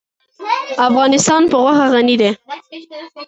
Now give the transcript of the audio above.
افغانستان په غوښې غني دی.